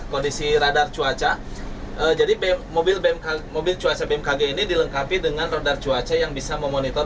kondisi radar cuaca jadi mobil cuaca bmkg ini dilengkapi dengan radar cuaca yang bisa memonitor